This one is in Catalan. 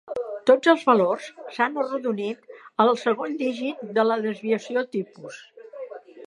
Tots els valors s'han arrodonit al segon dígit de la desviació tipus.